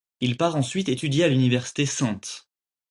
Il part ensuite étudier à l'université St.